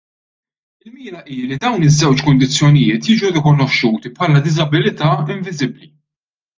Il-mira hi li dawn iż-żewġ kundizzjonijiet jiġu rikonoxxuti bħala diżabilità inviżibbli.